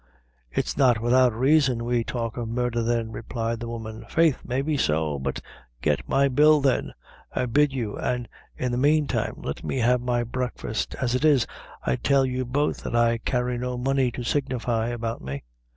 "It's not widout raisin we talk of murdher then," replied the woman. "Faith may be so get me my bill, then, I bid you, an' in the mane time, let me have, my breakfast. As it is, I tell you both that I carry no money to signify about me."